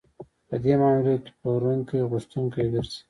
په دې معاملو کې پلورونکی غوښتونکی ګرځي